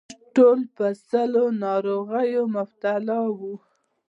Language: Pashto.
موږ ټول په سِل ناروغۍ مبتلا وو.